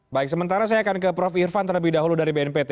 baik sementara saya akan ke prof irvan terlebih dahulu dari bnpt